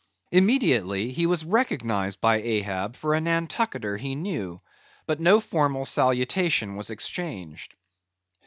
Immediately he was recognised by Ahab for a Nantucketer he knew. But no formal salutation was exchanged.